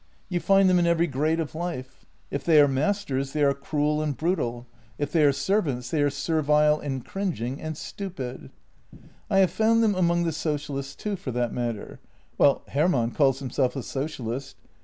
You find them in every 7 grade of life. If they are masters, they are cruel and brutal; if they are serv ants, they are servile and cringing — and stupid. I have found them among the socialists too, for that matter — well, Hermann calls himself a socialist.